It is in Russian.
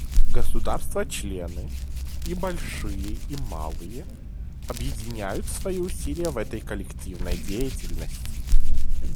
Государства-члены, и большие, и малые, объединяют свои усилия в этой коллективной деятельности.